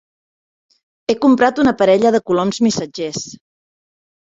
He comprat una parella de coloms missatgers.